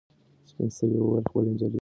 سپین سرې وویل چې هغه نجلۍ رڼا راوړي.